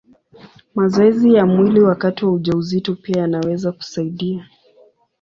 Mazoezi ya mwili wakati wa ujauzito pia yanaweza kusaidia.